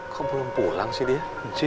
kok belum pulang sih dia